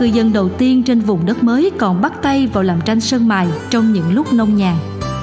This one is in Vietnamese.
lớp cư dân đầu tiên trên vùng đất mới còn bắt tay vào làm tranh sân mại trong những lúc nông nhàng